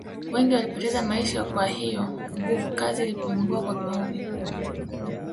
Wengi walipoteza maisha kwa hiyo nguvukazi ilipungua kwa kiwango kikubwa